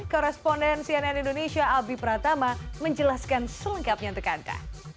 korresponden cnn indonesia abi pratama menjelaskan selengkapnya untuk anda